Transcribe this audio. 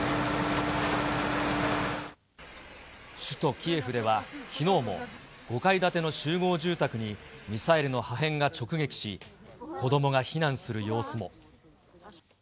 首都キエフでは、きのうも５階建ての集合住宅にミサイルの破片が直撃し、子どもが避難する様子も。